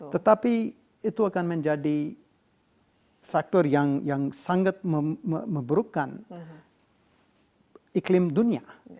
tetapi itu akan menjadi faktor yang sangat memburukan iklim dunia